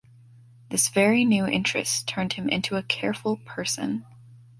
This very new interest turned him into a careful person.